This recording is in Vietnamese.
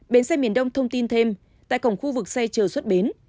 bến xe miền đông thông tin thêm tại cổng khu vực xe chờ xuất bến